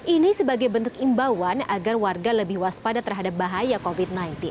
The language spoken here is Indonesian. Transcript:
ini sebagai bentuk imbauan agar warga lebih waspada terhadap bahaya covid sembilan belas